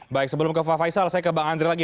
baik sebelum ke pak faisal saya ke bang andre lagi